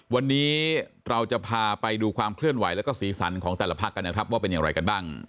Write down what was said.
วันนี้เราจะพาไปดูความเคลื่อนไหวแล้วก็สีสันของแต่ละพักกันนะครับว่าเป็นอย่างไรกันบ้าง